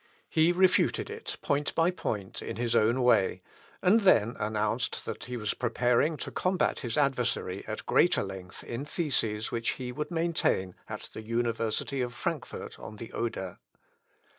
He refuted it point by point, in his own way, and then announced that he was preparing to combat his adversary at greater length in theses which he would maintain at the university of Frankfort on the Oder.